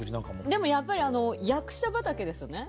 でもやっぱりあの役者畑ですよね。